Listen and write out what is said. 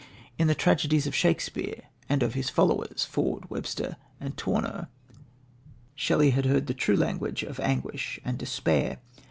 In the tragedies of Shakespeare and of his followers Ford, Webster and Tourneur Shelley had heard the true language of anguish and despair.